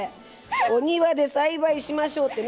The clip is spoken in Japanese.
お庭で栽培しましょうってね。